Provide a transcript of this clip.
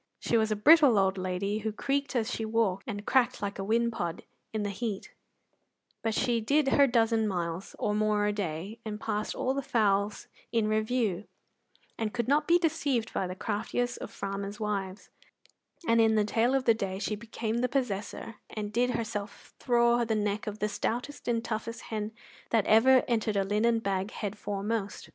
She was a brittle old lady who creaked as she walked, and cracked like a whin pod in the heat, but she did her dozen miles or more a day, and passed all the fowls in review, and could not be deceived by the craftiest of farmers' wives; and in the tail of the day she became possessor, and did herself thraw the neck of the stoutest and toughest hen that ever entered a linen bag head foremost.